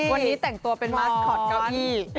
วันนี้แต่งตัวเป็นมาสคอตเก้าอี้